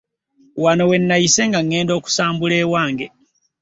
Wano we nayise nga ŋŋenda okusambula ewange.